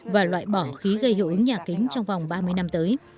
và loại bỏ khí gây hiệu ứng nhà kính trong vòng ba mươi năm tới